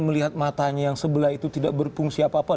melihat matanya yang sebelah itu tidak berfungsi apa apa